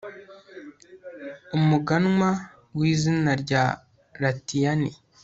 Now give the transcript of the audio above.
Umuganwa wizina rya Latiyani